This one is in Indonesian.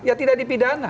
ya tidak dipidana